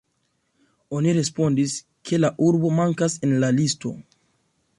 Oni respondis, ke la urbo mankas en la listo.